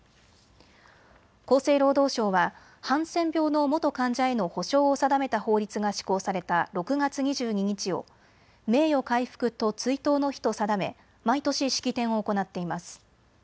厚生労働省はハンセン病の元患者への補償を定めた法律が施行された６月２２日を名誉回復と追悼の日と定め毎年、式典を行っています。